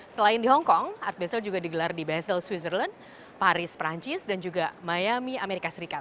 selain di hongkong art basel juga digelar di basel swissroland paris perancis dan juga mayami amerika serikat